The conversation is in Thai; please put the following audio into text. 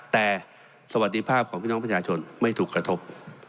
แต่สวัสดีภาพของพี่น้องประชาชนไม่ถูกกระทบ